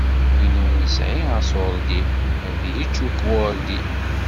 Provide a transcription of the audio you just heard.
Win ur nesɛi asuṛdi, ad tyečč ukwerdi.